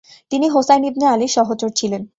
তিনি হোসাইন ইবনে আলীর সহচর ছিলেন।